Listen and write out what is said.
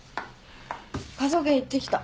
科捜研行ってきた。